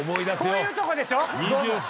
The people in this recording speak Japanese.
こういうとこでしょ